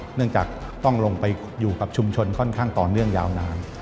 เนื่องจากต้องลงไปอยู่กับชุมชนค่อนข้างต่อเนื่องยาวนาน